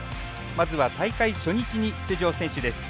まずは大会初日に出場選手です。